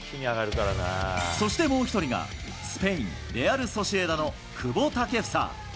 そしてもう一人が、スペイン・レアルソシエダの久保建英。